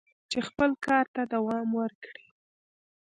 چې خپل کار ته دوام ورکړي."